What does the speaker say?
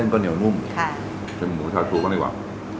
เส้นก็เหนียวนุ่มค่ะเดี๋ยวหมูชาชูก็ดีกว่า